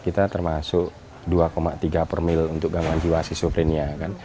kita termasuk dua tiga per mil untuk gangguan jiwa sisoprinnya kan